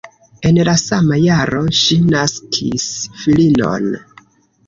En la sama jaro ŝi naskis filinon.